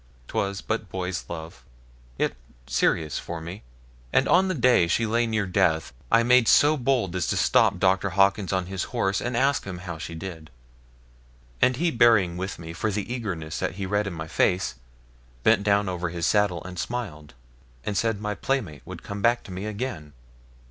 'Twas but boy's love, yet serious for me; and on the day she lay near death, I made so bold as to stop Dr. Hawkins on his horse and ask him how she did; and he bearing with me for the eagerness that he read in my face, bent down over his saddle and smiled, and said my playmate would come back to me again.